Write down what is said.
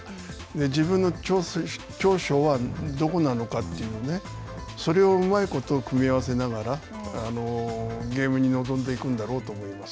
自分の長所はどこなのかというそれをうまいこと組み合わせながらゲームに臨んでいくんだろうと思います。